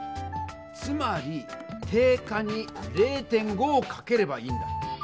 つまり定価に０．５をかければいいんだ。